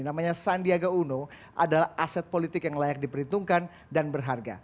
namanya sandiaga uno adalah aset politik yang layak diperhitungkan dan berharga